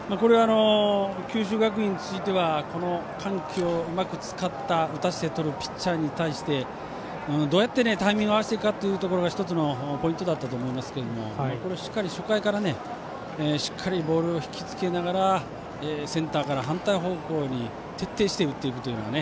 九州学院については緩急をうまく使った打たせてとるピッチャーに対してどうやってタイミングを合わせていくかというのが１つのポイントだったと思いますけど初回からしっかりボールを引き付けながらセンターから反対方向に徹底して打っていくというような。